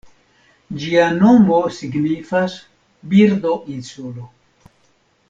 Ĝia nomo signifas "Birdo-insulo".